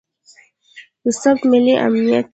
د ثبات، ملي امنیت